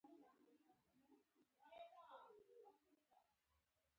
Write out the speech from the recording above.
ښه ځه له هماغه سره لاړ شه، چیني ته یې وویل.